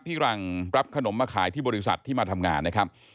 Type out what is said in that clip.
หลังรับขนมมาขายที่บริษัทที่มาทำงานนะครับ